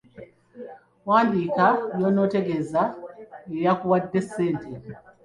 Wandiika by’onootegeeza eyakuwadde ssente.